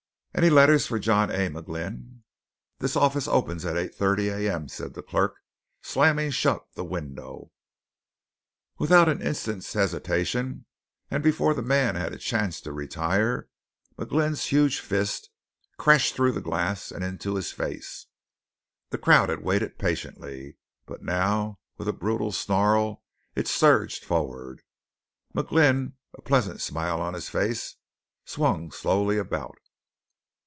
"Any letters for John A. McGlynn?" "This office opens at 8:30 A.M." said the clerk, slamming shut the window. Without an instant's hesitation, and before the man had a chance to retire, McGlynn's huge fist crashed through the glass and into his face. The crowd had waited patiently; but now, with a brutal snarl, it surged forward. McGlynn, a pleasant smile on his face, swung slowly about.